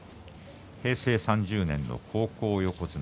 平成３０年の高校横綱。